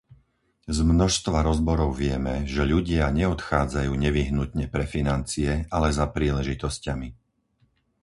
Z množstva rozborov vieme, že ľudia neodchádzajú nevyhnutne pre financie, ale za príležitosťami.